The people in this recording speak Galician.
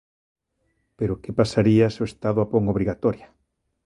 ¿Pero que pasaría se o Estado a pon obrigatoria?